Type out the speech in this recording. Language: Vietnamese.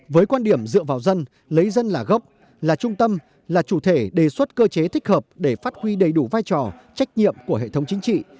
với quan điểm dựa vào dân lấy dân là gốc là trung tâm là chủ thể đề xuất cơ chế thích hợp để phát huy đầy đủ vai trò trách nhiệm của hệ thống chính trị